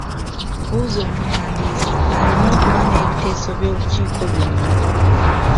Buuza omuwandiisi, alina okuba n'ebiteeso by'olukiiko byonna.